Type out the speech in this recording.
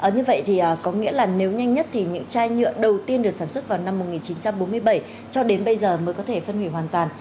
như vậy thì có nghĩa là nếu nhanh nhất thì những chai nhựa đầu tiên được sản xuất vào năm một nghìn chín trăm bốn mươi bảy cho đến bây giờ mới có thể phân hủy hoàn toàn